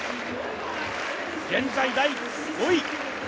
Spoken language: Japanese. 現在第５位。